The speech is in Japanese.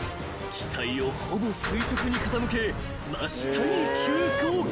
［機体をほぼ垂直に傾け真下に急降下］